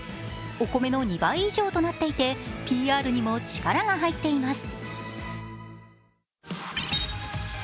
お米の２倍以上となっていてＰＲにも力が入っています。